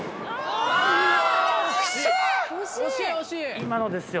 ・今のですよ・